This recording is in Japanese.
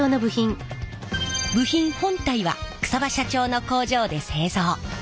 部品本体は草場社長の工場で製造。